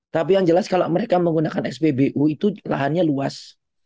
tapi yang jelas kalau mereka menggunakan spbu itu lahannya luas